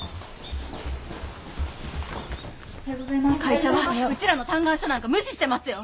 会社はウチらの嘆願書なんか無視してますよ！